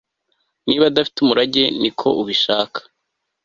Niba adafite umurage niko ubishaka